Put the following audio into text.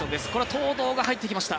東藤選手が入ってきました。